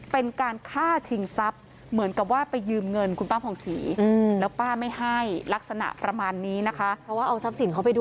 เพราะว่าเอาทรัพย์สินเข้าไปด้วย